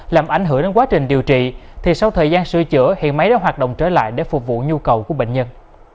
làm ảnh hưởng đến quá trình điều trị thì sau thời gian sửa chữa hiện máy đã hoạt động trở lại để phục vụ nhu cầu của bệnh nhân